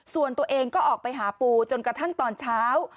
ส่วนตัวเองก็ออกไปหาปูจนกระทั่งตอนเช้า